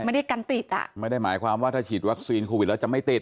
ไม่ได้กันติดอ่ะไม่ได้หมายความว่าถ้าฉีดวัคซีนโควิดแล้วจะไม่ติด